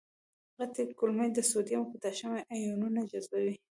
غټې کولمې د سودیم او پتاشیم آیونونه جذبوي.